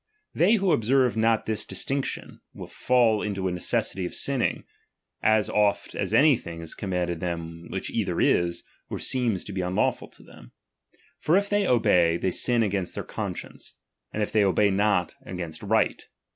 They who observe not this distinction, will fall into a necessity of sinning, as oft as anything is commanded them which either is, or seems to be unlawful to them : for if they obey, they sin against their conscience ; and if they obey not, against right.